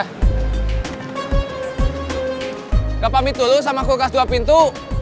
nggak paham itu lu sama kulkas dua pintu